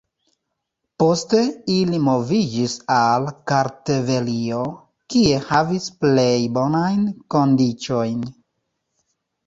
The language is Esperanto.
Poste ili moviĝis al Kartvelio, kie havis plej bonajn kondiĉojn.